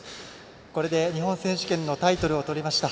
これで日本選手権のタイトルをとりました。